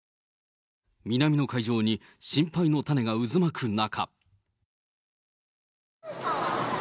南の海上に心配の種が渦巻く中。